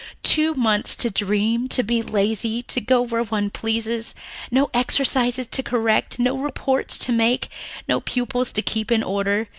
"Two months to dream, to be lazy, to go where one pleases, no exercises to correct, no reports to make, no pupils to keep in order.